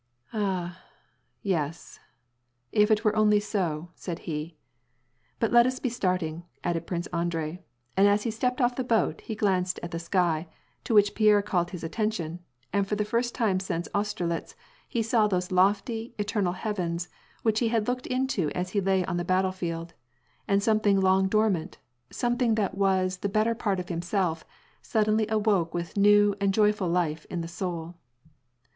" Ah, yes ! if it were only so," said he. " But let us be starting," added Prince Andrei, and as he stepped off the boat, he glanced at the sky, to which Pierre called nis attention, and for the first time since Austerlitz he saw those lofty, eternal heavens, which he had looked into as he lay on the battle field, and something long dormant, something that was the better part of himself, suddenly awoke with new and joyful life in ids soul.